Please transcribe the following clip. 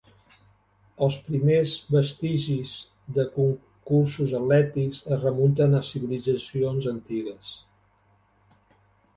Els primers vestigis de concursos atlètics es remunten a civilitzacions antigues.